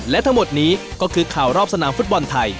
และทั้งหมดนี้ก็คือข่าวรอบสนามฟุตบอลไทย